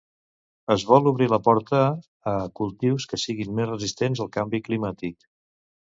es vol obrir la porta a cultius que siguin més resistents al canvi climàtic